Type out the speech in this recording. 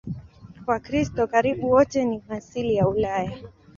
Wakristo karibu wote ni wa asili ya Ulaya.